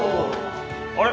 あれ？